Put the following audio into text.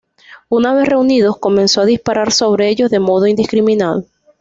Una vez reunidos comenzó a disparar sobre ellos de modo indiscriminado.